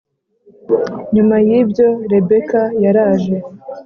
Nyuma y ibyo Rebeka yaraje